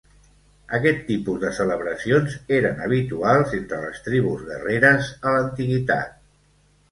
Aquest tipus de celebracions eren habituals entre les tribus guerreres a l'antiguitat.